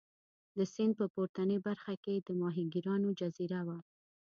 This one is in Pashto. د سیند په پورتنۍ برخه کې د ماهیګیرانو جزیره وه.